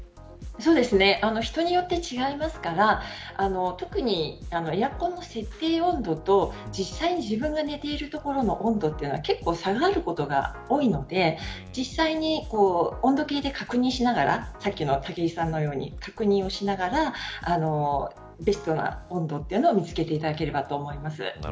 人によって違いますから特にエアコンの設定温度と実際に自分が寝ている所の温度というのは結構、差があることが多いので実際に温度計で確認しながらさっきの武井さんのように確認しながらベストな温度というのを見つけていただければと思います。